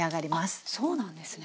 あっそうなんですね。